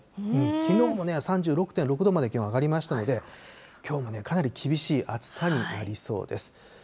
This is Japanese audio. きのうも３６．６度まで気温上がりましたので、きょうもかなり厳しい暑さになりそうです。